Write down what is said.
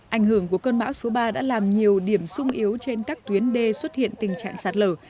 ảnh hưởng của cơn bão số ba đã làm nhiều điểm sung yếu trên các tuyến đê xuất hiện tình trạng sạt lở